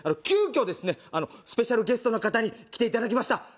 急遽スペシャルゲストの方に来ていただきました。